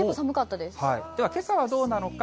では、けさはどうなのか。